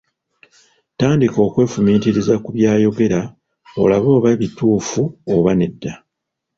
Tandika okwefumiitiriza ku by'ayogera olabe oba bituufu oba nedda.